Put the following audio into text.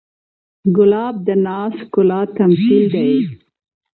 ګلاب د ناز ښکلا تمثیل دی.